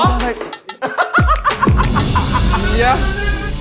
มียะ